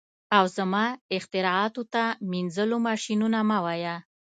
او زما اختراعاتو ته مینځلو ماشینونه مه وایه